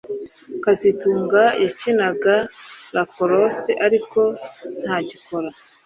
kazitunga yakinaga lacrosse ariko ntagikora